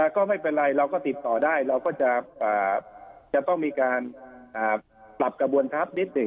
ก็ไม่เป็นไรเราก็ติดต่อได้เราก็จะต้องมีการปรับกระบวนทัพนิดหนึ่ง